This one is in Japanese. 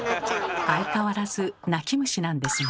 相変わらず泣き虫なんですね。